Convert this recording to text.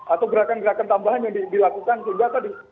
atau gerakan gerakan tambahan yang dilakukan juga tadi